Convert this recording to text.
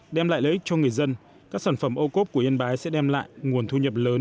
đem lại lợi ích cho người dân các sản phẩm ô cốp của yên bái sẽ đem lại nguồn thu nhập lớn